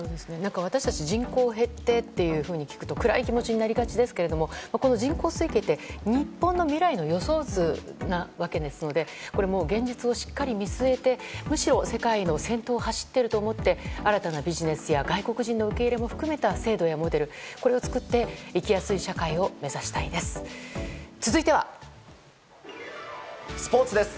私たち、人口が減ってと聞くと暗い気持ちになりがちですがこの人口推計って日本の未来の予想図なわけですので現実をしっかり見据えてむしろ世界の先頭を走っていると思って新たなビジネスや外国人の受け入れを含めた制度やモデルを含めて生きやすい社会をスポーツです。